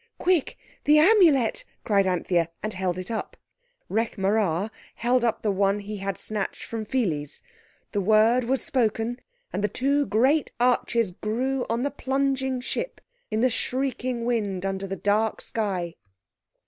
"Quick, the Amulet," cried Anthea, and held it up. Rekh marā held up the one he had snatched from Pheles. The word was spoken, and the two great arches grew on the plunging ship in the shrieking wind under the dark sky.